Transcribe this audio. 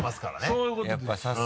そういうことです。